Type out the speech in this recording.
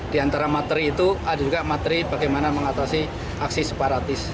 di antara materi itu ada juga materi bagaimana mengatasi aksi separatis